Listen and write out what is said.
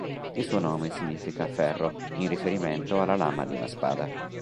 Il suo nome significa "Ferro", in riferimento alla lama di una spada.